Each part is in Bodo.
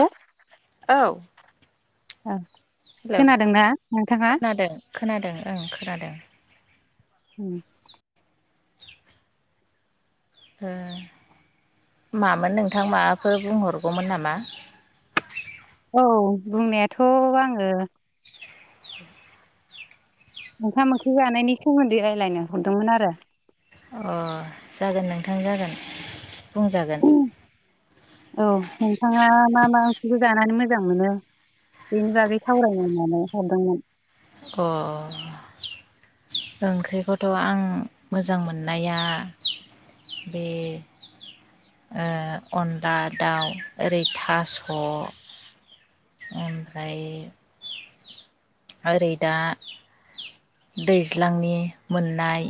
हो [unintelligible] औ। आ हेलौ खोनादोंना नोंथाङा। औ खोनादों। उम। ओ। मामोन नोंथां माबाफोर बुंहरगौमोन नामा। औ बुंनायाथ' आङो। ओंखाम ओंख्रि जानायनि सोमोन्दै रायलायनो हरदोंमोन आरो। अ जागोन नोंथां जागोन बुंजागोन। औ नोंथाङा मा मा ओंख्रिखौ जानानै मोजां मोनो। बेनि बागै सावरायनो होननानै हरदोंमोन। अ। ओंख्रिखौथ' आं मोजां मोननाया। बे। ओ अनला दाउ ओरै थास'। ओमफ्राय। ओरै दा दैज्लांनि मोननाय।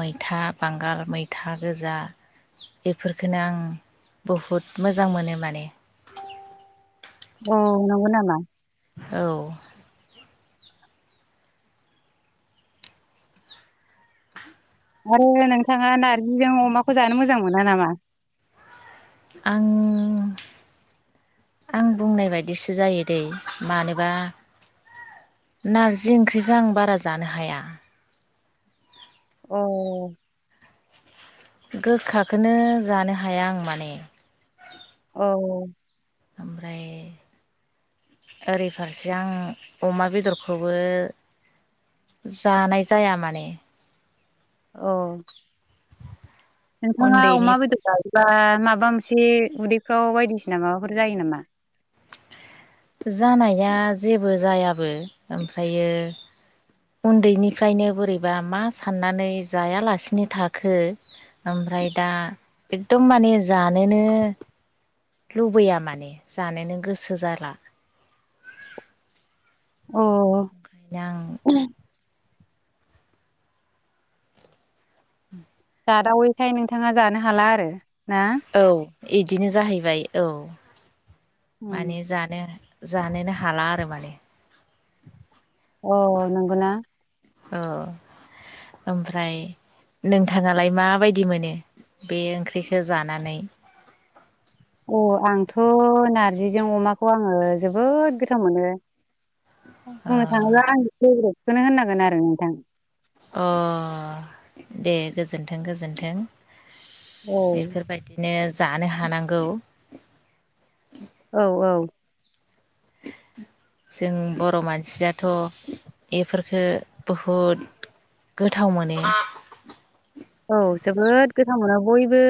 मैथा बांगाल, मैथा गोजा। बेफोरफोरखोनो आं बहुद मोजां मोनो माने। औ नंगौ नामा। औ। आरो नोंथाङा नार्जिजों अमाखौ जानो मोजां मोना नामा। आं। आं बुंनाय बायदिसो जायो दै मानोबा। नारजि ओंख्रिखौ आं बारा जानो हाया। औ। गोखाखोनो जानो हाया आं माने। औ। ओमफ्राय। ओरै फारसे आं अमा बेदरखौबो। जानाय जाया माने। औ नोंथाङा उन्दैनि अमा बेदर जायोबा माबा मोनसे उदैफ्राव बायदिसिना माबाफोर जायो नामा? जानाया जेबो जायाबो ओमफ्रायो उन्दैनिफ्रायनो बोरैबा मा साननानै जायालासिनो थाखो ओमफ्राय दा एकदम माने जानोनो लुबैया माने जानोनो गोसो जाला अ ओंखायनो आं जादावैखाय नोंथाङा जानो हाला आरो। ना औ इदिनो जाहैबाय औ। उम माने जानो जानोनो हाला आरो माने अ नंगौना औ ओमफ्राय नोंथाङालाय माबायदि मोनो बे ओंख्रिखौ जानानै? औ आंथ' नारजिजों अमाखौ आङो जोबोद गोथाव मोनो। ओ बुंनो थाङोब्ला आंनि फेभरेटखौनो होननांगोन आरो नोंथां। अ दे गोजोनथों गोजोन्थों। औ बेफोरबायदिनो जानो हानांगौ। औ औ [inaudible] जों बर' मानसियाथ' बेफोरफोरखौ बहुद गोथाव मोनो। औ जोबोद गोथाव मोनो बयबो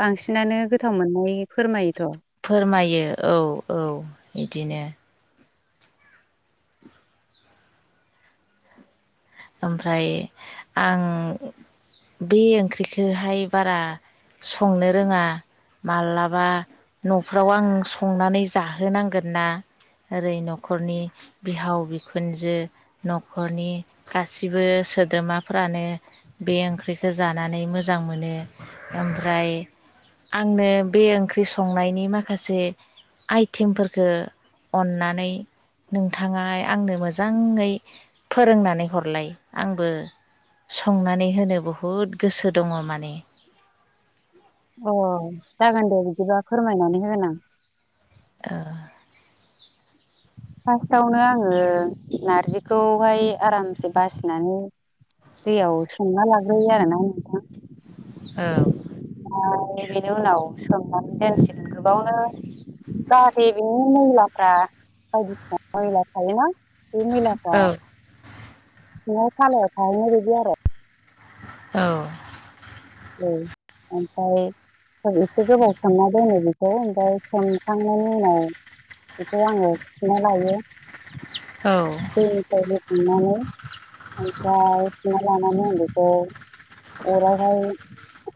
बांसिनानो गोथाव मोननाय फोरमायोथ' फोरमायो औ औ बिदिनो ओमफ्राय आं बे ओंख्रिखौहाय बारा संनो रोङा। मालाबा न'फ्राव आं संनानै जाहोनांगोन ना ओरै न'खरनि बिहाव बिखुनजो न'खरनि गासिबो सोद्रोमाफ्रानो बे ओंख्रिखौ जानानै मोजां मोनो ओमफ्राय आंनो बे ओंख्रि संनायनि माखासे आइटेमफोरखौ अननानै नोंथाङा आंनो मोजाङै फोरोंनानै हरलाय आंबो संनानै होनो बुहुद गोसो दङ माने। [inaudible] अ जागोन दे बिदिबा फोरमायनानै होगोन आं ओ [inaudible] फार्स्टावनो आङो नारजिखौहाय आरामसे बासिनानै दैयाव सोमना लाग्रोयो आरोना नोंथां औ ओमफ्राय बेनि उनाव सोंमनानै दोनसिगोन गोबावनो जाहाथे बेनि मैलाफ्रा बायदिसिना मैला थायोना बे मैलाफ्रा औ सिंङाव थालायाव थाहैनाय बायदि आरो औ औ ओमफ्राय एसे गोबाव सोमना दोनो बेखौ ओमफ्राय सोमखांनायनि उनाव बेखौ आङो थिखोना लायो औ दैनिफ्राय सुनानै ओमफ्राय सुना लानानै आंङो बेखौ अरावहाय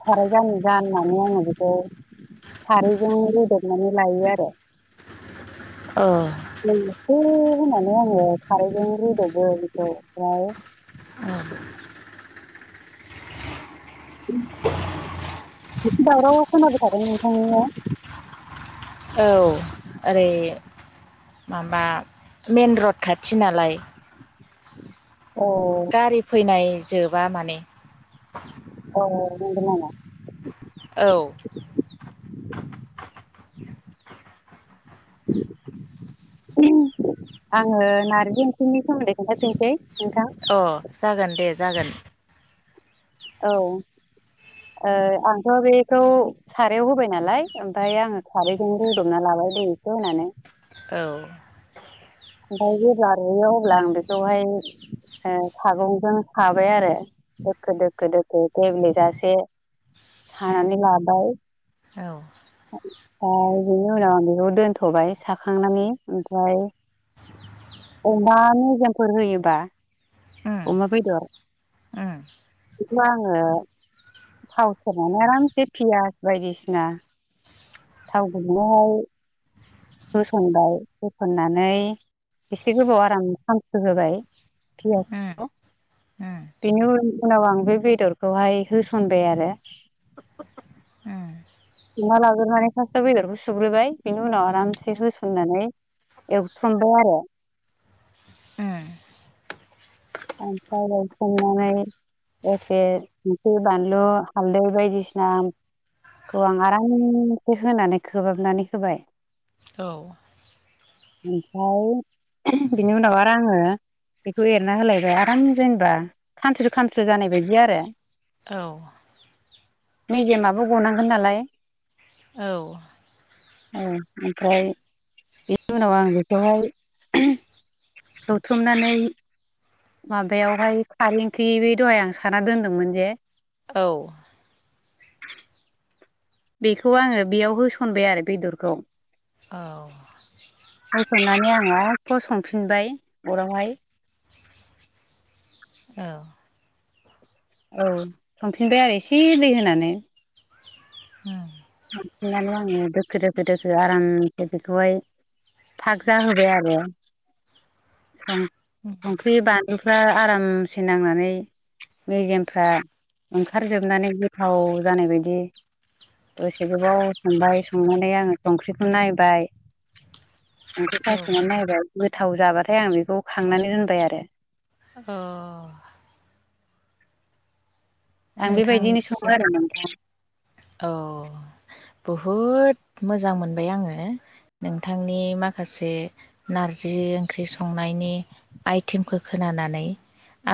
साराय जानो जाननानै आंङो बेखौ खारैजों रुदबनानै लायो आरो औ दै एसे होननानै आङो खारैजों रूदबो बेखौ ओमफ्राय औ दावराव खोनाबायथादों नोंथांनिया औ ओरै माबा मेन रड खाथि नालाय। [inaudible] गारि फैनाय जोबा माने औ नंगौ नामा? औ आङो नारजि ओंख्रिनि सोमोन्दै खोनथाफिनसै अ जागोन दे जागोन। औ ओ आंथ' बेखौ सारायाव होबाय नालाय ओमफ्राय आङो खारैजों रुदबना ला बाय दै एसे होनानै औ ओमफ्राय जेब्ला रुयो अब्ला आं बेखौहाय ओ सागंजों साबाय आरो दोखो दोखो दोखो गेब्लेजासे सानानै लाबाय। औ ओमफ्राय बेनि उनाव आं बेखौ दोनथ'बाय साखांनानै ओमफ्राय अमा मेजेमफोर होयोबा उम अमा बेदर उम बेखौ आङो थाव सेरनानै आरामसे पियास बायदिसिना थाव गुदुंआव होसनबाय होसननानै एसे गोबव आराम खामस्रोहोबाय उम पियासखौ उम बेनि उन उनाव आं बे बेदरखौहाय होसनबाय आरो [inaudible] सुना लाग्रोनानै फार्स्टआव बेदरखौ सग्रोबाय बिनि उनाव आरामसे होसननानै एवथुमबाय आरो उम ओमफ्राय एवत्रमनानै एखे संख्रि बानलु हालदै बायदिसिना खौ आं आरामसे होनानै खोबहाबनानै होबाय औ ओमफ्राय बिनि उनाव आरो आङो बेखौ एरना होलाय बाय आराम जेनेबा खामस्रो खामस्रो जानाय बायदि आरो। औ मेजेमाबो गनांगोन नालाय औ औ ओमफ्राय बेनि उनाव आं बेखौहाय एवत्रमनानै माबायावहाय खारै ओंख्रि बे दहाय आं साना दोनदोंमोन जे औ बेखौ आङो बेयाव होसनबाय आरो बेदरखौ औ होसननानै आङो आख' संफिनबाय अरावहाय औ औ संफिनबाय आरो एसे दै होनानै उम संफिननानै आङो दोखो दोखो दोखो आरामसे बेखौहाय फाग जाहोबाय आरो उम संख्रि, बानलुफ्रा आरामसे नांनानै मेजेमफ्रा ओंखारजोबनानै गोथाव जानाय बायदि दसे गोबाव संबाय संनानै आङो संख्रिखौ नायबाय आंथ औ साखनानै नायबाय गोथाव जाबाथाय आं बेखौ खांनानै दोनबाय आरो अ। आं बेबायदिनो सङो थांनिसिम आरो नोंथां औ। बुहुद मोजां मोनबाय आङो नोंथांनि माखासे नारजि ओं्रि ओंख्रि संनायनि आइटेमखौ खोनानानै।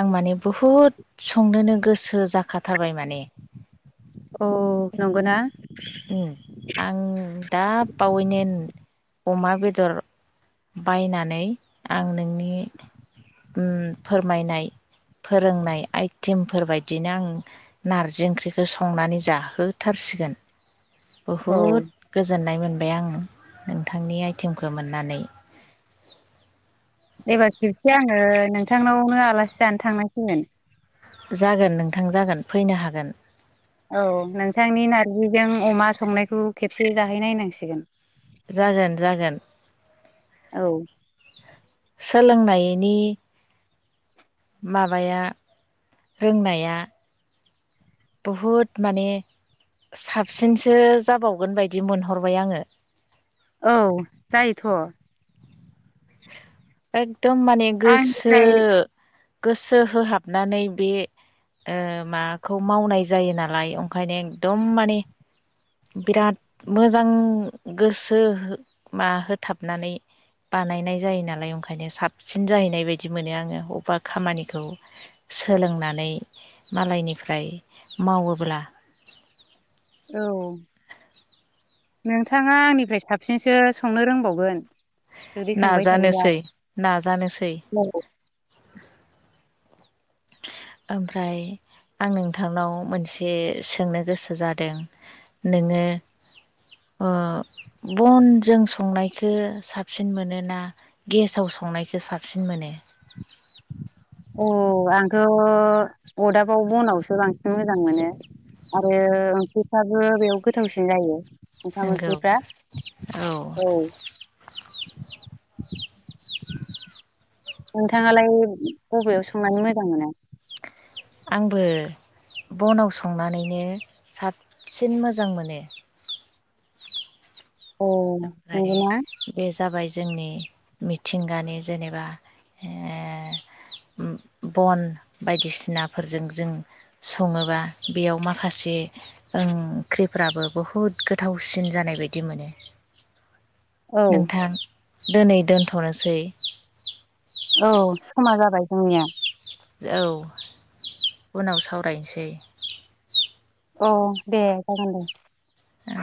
आं माने बहुद संनोनो गोसो जाखाथारबाय माने औ नंगौनाा? आं दा बावैनो अमा बेदर बायनानै आं नोंनि फोरमायनाय फोरोंनाय आइटेमफोर बायदिनो आं नारजि ओंख्रिखौ संनानै जाहोथारसै। सिगोन। औ बहुद गोजोननाय मोनबाय आङो नोंथांनि आइटेमखौ मोननानै। एबार खेबसे आङो नोंथांनावनो आलासि जानो थांनांसिगोन। जागोन नोंथां जागोन फैनो हागोन। औ नोंथांनि नारजिजों अमा संनायखौ खेबसे जाहैनायनांसिगोन। जागोन जागोन। औ सोलोंनायनि माबाया रोंनाया बहुद माने साबसिनसो जाबावगोन बायदि मोनहरबाय आङो औ जायोथ'। एकदम माने गोसो आंनिफ्राय गोसो होहाबनानै बे माबाखौ मावनाय जायो नालाय ओंखायनो एकदम माने बिराद मोजां गोसो मा होथाबनानै बानायनाय जायो नालाय ओंखायनो साबसिन जाहैनाय बायदि मोनो आङो बबेबा खामानिखौ सोलोंनानै मालायनिफ्राय मावोब्ला औ नोंथाङा आंनिफ्राय साबसिनसो संनो रोंबावगोन जुदि संबाय थायोबा नाजानोसै नाजानोसै ओमफ्राय आं नोंथांनाव मोनसे सोंनो गोसो जादों बिदिनो बनजों संनायखौ साबसिन मोनोना गेसाव स संनायखौ साबसिन मोनो। औ आंथ' अरदाबाव बनावसो बांसिन मोजां मोनो। आरो ओंख्रिफ्राबो बेयाव गोथावसिन जायो। ओंखाम नोंगौ ओंख्रिफ्रा औ। नोंथाङालाय बबेयाव संनानै मोजां मोना? आंबो बनाव संनानैनो साबसिन मोजां मोनो। औ ओमफ्राय नंगौना बे - जाबाय जोंनि मिथिंगानि जेनेबा बन बायदिसिनाफोरजों जों सङोबा बेयाव माखासे ओंख्रिफ्राबो बुहुद गोथावसिन जानाय बायदि मोनो। औ नोंथां दिोनै दोनथ'नोसै। औ खोमा जाबाय जोंनिया औ उनाव सावरायनोसै। अ दे जागोन दे। [unintelligible] ए